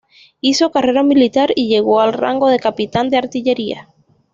Hizo carrera militar y llegó al rango de capitán de artillería.